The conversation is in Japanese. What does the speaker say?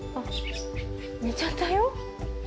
寝ちゃったよ？